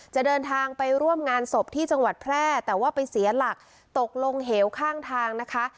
เดินทางไปร่วมงานศพที่จังหวัดแพร่แต่ว่าไปเสียหลักตกลงเหวข้างทางนะคะ